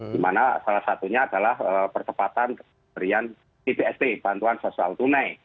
di mana salah satunya adalah pertepatan keberian tpsp bantuan sosial tunai